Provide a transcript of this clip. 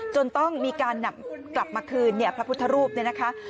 จนต้องมีการนำกลับมาคืนเนี่ยพระพุทธรูปเนี่ยนะคะ